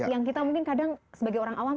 yang kita mungkin kadang sebagai orang awam